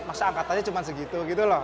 masa angkatannya cuma segitu gitu loh